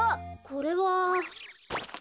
これは。